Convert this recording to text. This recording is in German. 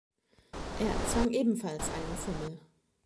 Er erzwang ebenfalls einen Fummel.